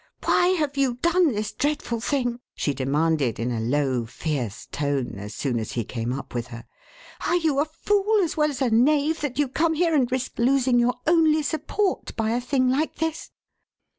"Why have you done this dreadful thing?" she demanded in a low, fierce tone as soon as he came up with her. "Are you a fool as well as a knave that you come here and risk losing your only support by a thing like this?"